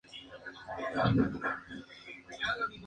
Su relato de los viajes fue publicado en Londres.